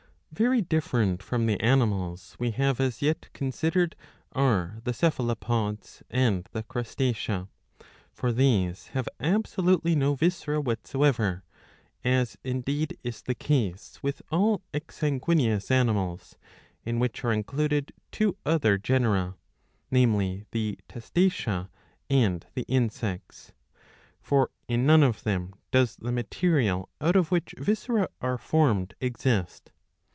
Very different from the animals we have as yet con sidered are the Cephalopods, and the Crustacea. For these have absolutely no viscera ^ whatsoever ; as indeed is the case with all ex sanguineous animals, in which are included two other genera, namely the Testacea and the Insects. For in none of them does the material out of which viscera are formed exist.